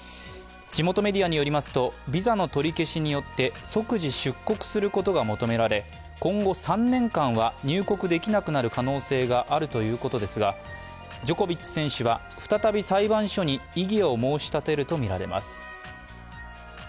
地元メディアによりますとビザの取り消しによって即時、出国することが求められ、今後３年間は入国できなくなる可能性があるということですが、ジョコビッチ選手は、再び裁判所に異議を申し立てるとみられます。